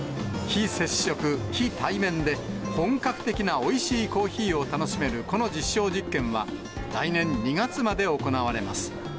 非接触、非対面で、本格的なおいしいコーヒーを楽しめるこの実証実験は、来年２月まで行われます。